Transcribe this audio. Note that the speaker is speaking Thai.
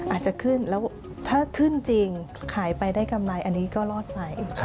อาจจะขึ้นแล้วถ้าขึ้นจริงขายไปได้กำไรอันนี้ก็รอดไป